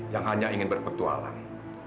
yang hanya ingin berpetualang